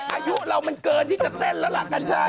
อายุเรามันเกินที่จะเต้นแล้วล่ะกัญชัย